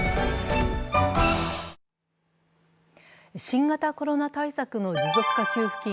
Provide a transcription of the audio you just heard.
新型コロナ対策の持続化給付金